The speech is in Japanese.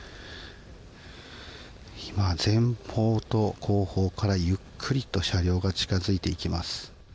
今、前方と後方からゆっくりと車両が近づいていきます。